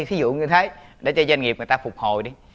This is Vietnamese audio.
thí dụ như thế để cho doanh nghiệp người ta phục hồi đi